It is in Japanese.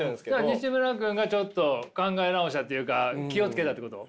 にしむら君がちょっと考え直したっていうか気を付けたってこと？